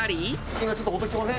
今ちょっと音聞こえません？